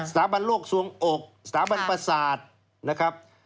สถาบันโรคสวงอกสถาบันปศาสตร์นะครับ